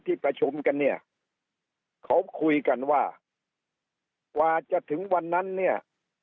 ที่ประชุมกันเนี่ยเขาคุยกันว่ากว่าจะถึงวันนั้นเนี่ย